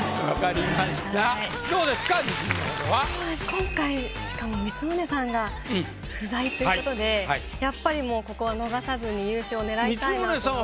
今回しかも光宗さんが不在ということでやっぱりもうここは逃さずに優勝を。